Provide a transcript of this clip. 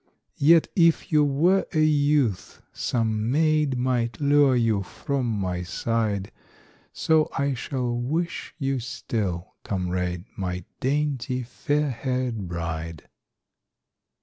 Yet if you were a youth, some maid Might lure you from my side, So I shall wish you still, comrade, My dainty, fair haired bride.